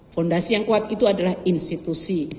fondasi yang kuat itu adalah institusi